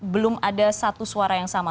belum ada satu suara yang sama